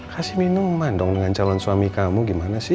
kasih minuman dong dengan calon suami kamu gimana sih